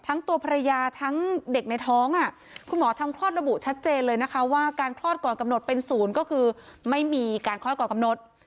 ตัวภรรยาทั้งเด็กในท้องคุณหมอทำคลอดระบุชัดเจนเลยนะคะว่าการคลอดก่อนกำหนดเป็นศูนย์ก็คือไม่มีการคลอดก่อนกำหนด